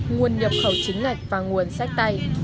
nguồn nhập khẩu chính ngạch và nguồn sách tay